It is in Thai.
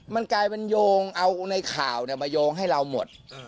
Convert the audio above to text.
มันกลายเป็นโยงเอาในข่าวมาโยงให้เราหมด